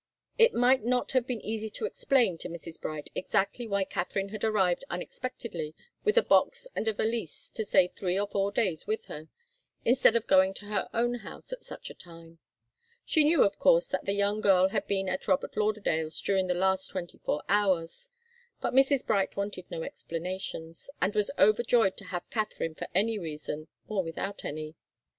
It might not have been easy to explain to Mrs. Bright exactly why Katharine had arrived unexpectedly with a box and a valise to stay three or four days with her, instead of going to her own house at such a time. She knew, of course, that the young girl had been at Robert Lauderdale's during the last twenty four hours. But Mrs. Bright wanted no explanations, and was overjoyed to have Katharine for any reason, or without any.